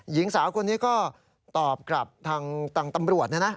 หญิงสาวคนนี้ก็ตอบกลับทางตำรวจ